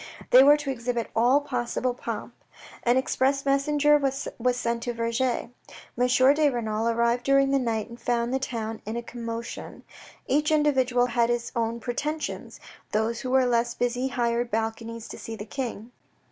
They were to exhibit all possible pomp. An express messenger was sent to Vergy. M. de Renal arrived during the night and found the town in a commotion. Each individual had his own pretensions; those who were less busy hired balconies to see the King.